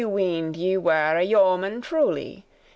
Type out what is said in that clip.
I weened ye were a yeoman truly.